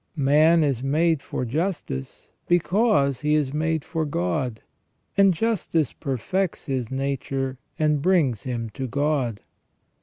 Man is made for justice because he is made for God, and justice perfects his nature and brings him to God.